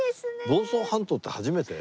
房総半島って初めて？